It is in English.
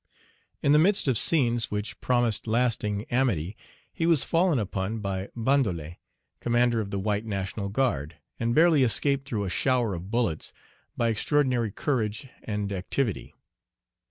In the midst of scenes which promised lasting amity, he was fallen upon by Bandollet, commander of the white National Guard, and barely escaped through a shower of bullets, by extraordinary courage and activity.